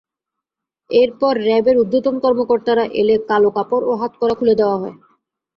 এরপর র্যাবের ঊর্ধ্বতন কর্মকর্তারা এলে কালো কাপড় ও হাতকড়া খুলে দেওয়া হয়।